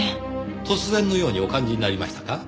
突然のようにお感じになりましたか？